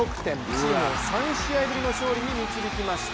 チームを３試合ぶりの勝利に導きました。